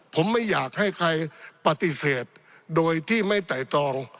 ผมไม่อยากให้ใครปฏิเสธโดยที่ไม่ไต่ตรอง